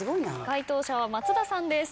解答者は松田さんです。